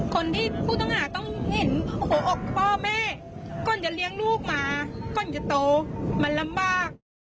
คนที่ผู้ต้องหาต้องเห็นหัวอกพ่อแม่ก่อนจะเลี้ยงลูกมาก่อนจะโตมันลำบาก